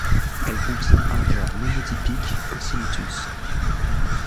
Elle contient un genre monotypique Oxynotus.